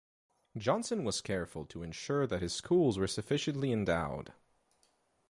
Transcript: Johnson was careful to ensure that his schools were sufficiently endowed.